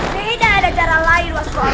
tidak ada cara lain waspada